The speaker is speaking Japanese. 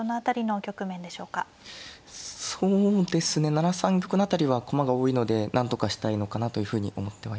７三玉の辺りは駒が多いのでなんとかしたいのかなというふうに思ってはいました。